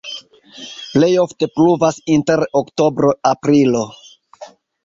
Plej ofte pluvas inter oktobro-aprilo.